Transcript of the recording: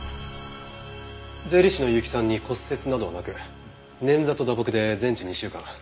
税理士の結城さんに骨折などはなく捻挫と打撲で全治２週間。